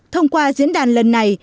thông qua diễn đàn lần này